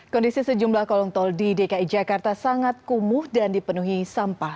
kondisi sejumlah kolong tol di dki jakarta sangat kumuh dan dipenuhi sampah